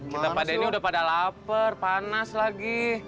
kita pada ini udah pada lapar panas lagi